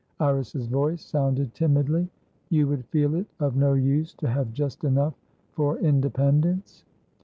Iris's voice sounded timidly. "You would feel it of no use to have just enough for independence?"